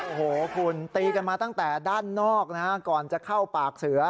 โอ้โหคุณตีกันมาตั้งแต่ด้านนอกนะฮะก่อนจะเข้าปากเสือ